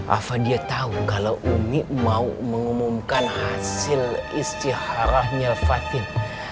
afan dia tahu kalau umi mau mengumumkan hasil istihara nya fatin